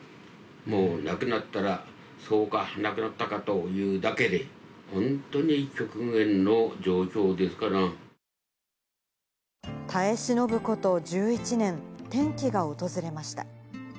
もう亡くなったら、そうか、亡くなったかというだけで、耐え忍ぶこと１１年、転機が訪れました。